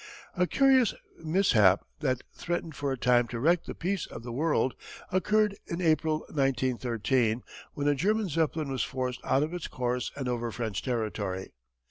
A curious mishap that threatened for a time to wreck the peace of the world, occurred in April, 1913, when a German Zeppelin was forced out of its course and over French territory.